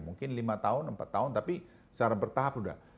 mungkin lima tahun empat tahun tapi secara bertahap sudah